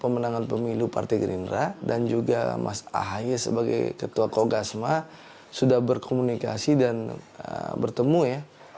pemenangan pemilu partai gerindra dan juga mas ahaye sebagai ketua kogasma sudah berkomunikasi dan bertemu ya